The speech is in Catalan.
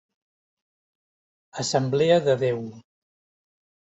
Assemblea de Déu.